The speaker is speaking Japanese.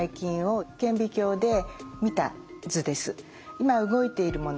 今動いているもの